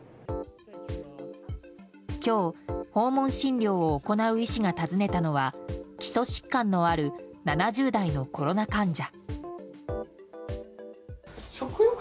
今日、訪問診療を行う医師が訪ねたのは基礎疾患のある７０代のコロナ患者。